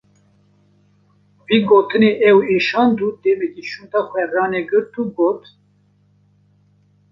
Vê gotinê ew êşand û demek şûnda xwe ranegirt û got: